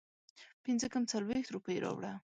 پنځه کم څلوېښت روپۍ راوړه